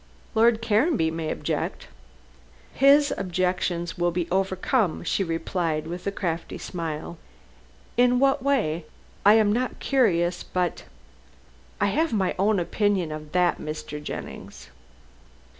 "Lord Caranby may object." "His objections will be overcome," she replied, with a crafty smile. "In what way? I am not curious, but " "I have my own opinion of that, Mr. Jennings."